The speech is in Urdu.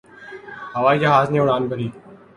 ہوائی جہاز نے اڑان بھری